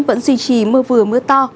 vẫn duy trì mưa vừa mưa to